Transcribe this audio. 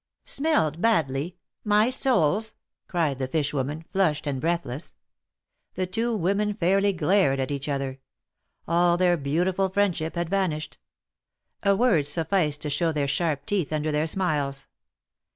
" Smelled badly ! My soles !" cried the fish woman, flushed and breathless. The two women fairly glared at each other. All their THE MARKETS OF PARIS. 101 beautiful friendship had vanished. A word sufficed to show their sharp teeth under their smiles.